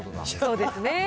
そうですね。